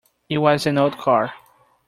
It was an old car.